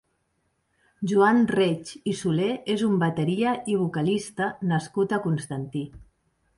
Joan Reig i Solé és un bateria i vocalista nascut a Constantí.